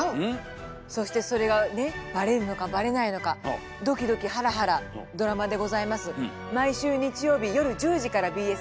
そしてそれがねバレるのかバレないのかドキドキハラハラドラマでございます。